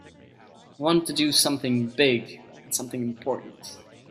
I want to do something big and something important.